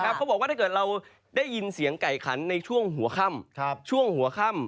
ครับเขาบอกว่าถ้าเราได้ยินเสียงไก่ขันในช่วงหัวค่ำ